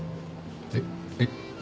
えっ？えっ？